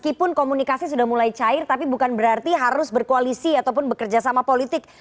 meskipun komunikasi sudah mulai cair tapi bukan berarti harus berkoalisi ataupun bekerja sama politik